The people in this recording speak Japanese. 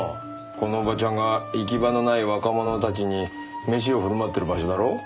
このおばちゃんが行き場のない若者たちにメシを振る舞ってる場所だろ？